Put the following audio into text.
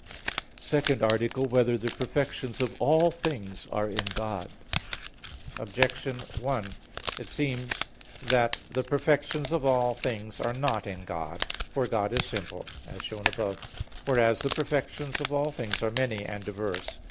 _______________________ SECOND ARTICLE [I, Q. 4, Art. 2] Whether the Perfections of All Things Are in God? Objection 1: It seems that the perfections of all things are not in God. For God is simple, as shown above (Q. 3, A. 7); whereas the perfections of things are many and diverse.